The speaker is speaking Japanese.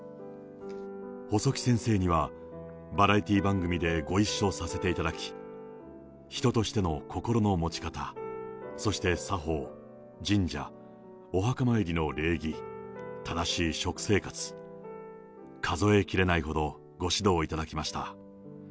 細木先生には、バラエティー番組でご一緒させていただき、人としての心の持ち方、そして作法、神社、お墓参りの礼儀、正しい食生活、数えきれないほどご指導いただきました。